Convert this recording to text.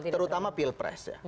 terutama pilpres ya